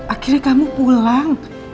akhirnya kamu pulang